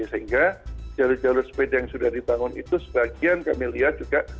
sehingga jalur jalur sepeda yang sudah dibangun itu sebagian kami lihat juga